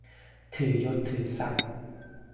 ถือยศถือศักดิ์